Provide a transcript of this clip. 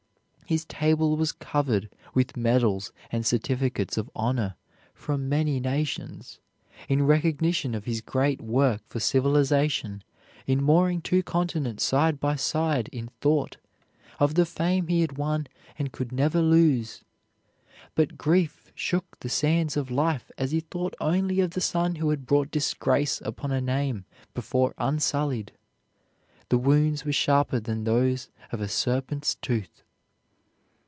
His table was covered with medals and certificates of honor from many nations, in recognition of his great work for civilization in mooring two continents side by side in thought, of the fame he had won and could never lose. But grief shook the sands of life as he thought only of the son who had brought disgrace upon a name before unsullied; the wounds were sharper than those of a serpent's tooth.